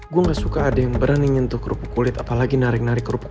gue gak suka ada yang berani nyentuh kerupuk kulit apalagi narik narik kerupuk